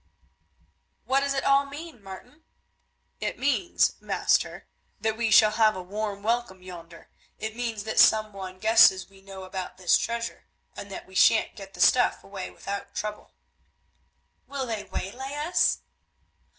"What does it all mean, Martin?" "It means, master, that we shall have a warm welcome yonder; it means that some one guesses we know about this treasure, and that we shan't get the stuff away without trouble." "Will they waylay us?"